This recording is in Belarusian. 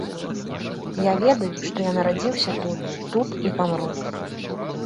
Я ведаю, што я нарадзіўся тут, тут і памру.